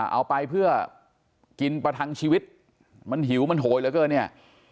เอาไปเพื่อกินประทังชีวิตมันหิวมันโหยเหลือเกินเนี่ย